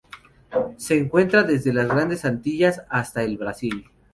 Se encuentra desde las Grandes Antillas hasta el Brasil.